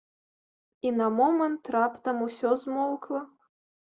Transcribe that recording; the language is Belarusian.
І на момант раптам усё змоўкла.